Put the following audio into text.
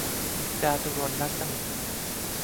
จาตุรนต์รัศมี